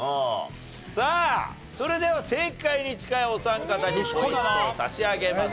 さあそれでは正解に近いお三方にポイントを差し上げます。